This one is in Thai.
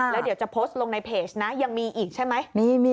แล้วเดี๋ยวจะโพสต์ลงในเพจนะยังมีอีกใช่ไหม